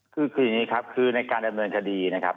คืออย่างนี้ครับคือในการดำเนินคดีนะครับ